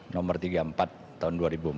nomor tiga puluh empat tahun dua ribu empat